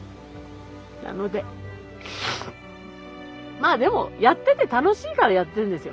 まあでもやってて楽しいからやってるんですよ。